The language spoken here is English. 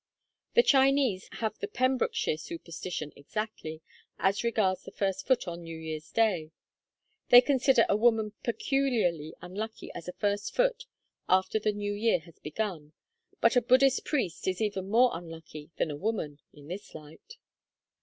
The Chinese have the Pembrokeshire superstition exactly, as regards the first foot on New Year's Day. They consider a woman peculiarly unlucky as a first foot after the New Year has begun, but a Buddhist priest is even more unlucky than a woman, in this light.